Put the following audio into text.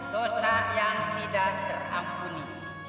dosa yang tidak terampuni